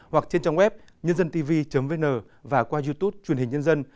hoặc trên trang web nhândântv vn và qua youtube truyền hình nhân dân